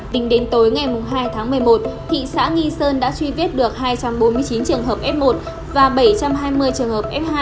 tính đến tối ngày hai tháng một mươi một thị xã nghi sơn đã truy vết được hai trăm bốn mươi chín trường hợp f một và bảy trăm hai mươi trường hợp f hai